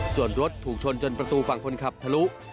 ส่วนรถถูกชนจนประตูฝั่งคนขับทะลุ